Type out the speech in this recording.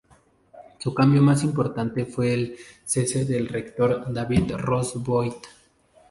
Su cambio más importante fue el cese del rector, David Ross Boyd.